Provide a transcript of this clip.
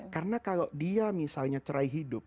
karena kalau dia misalnya cerai hidup